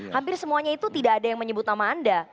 hampir semuanya itu tidak ada yang menyebut nama anda